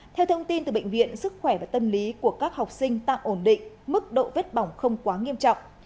theo thông tin từ bệnh viện sức khỏe và tâm lý của các học sinh tạm ổn định mức độ vết bỏng không quá nghiêm trọng